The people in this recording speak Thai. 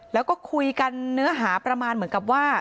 แล้วก็คุยกันเนื้อหาประมาณเหมือนกับว่า